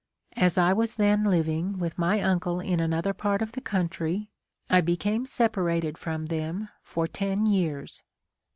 As I was then living with my uncle in another part of the country, I became separated from them for ten years.